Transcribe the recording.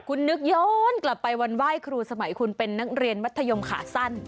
คุณนึกย้อนกลับไปวันไหว้ครูสมัยคุณเป็นนักเรียนมัธยมขาสั้น